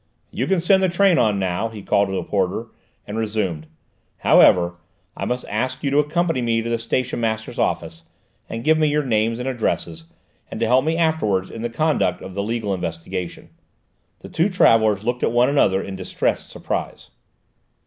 "You can send the train on now," he called to a porter, and resumed: "However, I must ask you to accompany me to the stationmaster's office and give me your names and addresses, and to help me afterwards in the conduct of the legal investigation." The two travellers looked at one another in distressed surprise.